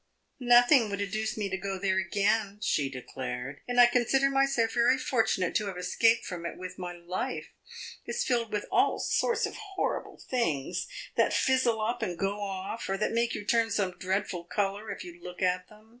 "Nothing would induce me to go there again," she declared, "and I consider myself very fortunate to have escaped from it with my life. It 's filled with all sorts of horrible things, that fizzle up and go off, or that make you turn some dreadful color if you look at them.